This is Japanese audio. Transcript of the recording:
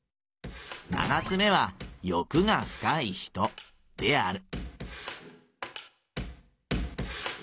七つ目は欲が深い人である」。